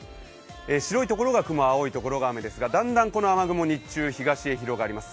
白いところが雲、青いところが雨ですが、だんだんこの雨雲、日中東へ広がります。